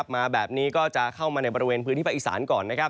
มาแบบนี้ก็จะเข้ามาในบริเวณพื้นที่ภาคอีสานก่อนนะครับ